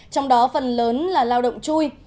trong đó phần lớn là lao động chui